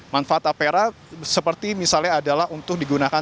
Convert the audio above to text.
manfaat apera seperti misalnya adalah untuk digunakan